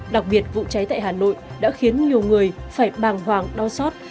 đặc biệt vụ cháy tại hà nội đã khiến nhiều người phải bàng hoàng đau xót